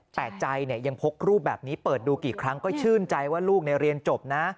แต่ใจยังพกรูปแบบนี้เปิดดูกี่ครั้งก็ชื่นใจว่าลูกเรียนจบนะ